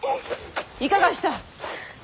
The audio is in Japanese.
いかがした。